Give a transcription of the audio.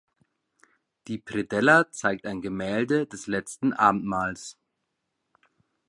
Die Predella zeigt ein Gemälde des Letzten Abendmahls.